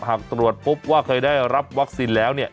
หากตรวจพบว่าเคยได้รับวัคซีนแล้วเนี่ย